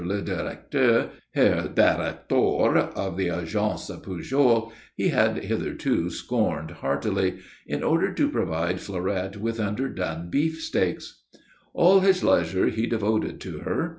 le Directeur, Herr Direktor of the Agence Pujol, he had hitherto scorned haughtily in order to provide Fleurette with underdone beefsteaks. All his leisure he devoted to her.